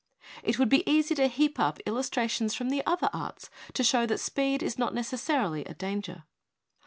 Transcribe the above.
It would be easy to heap up illustrations from the other arts to show that speed is not r sarily a danger.